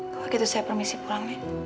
kalau gitu saya permisi pulang ya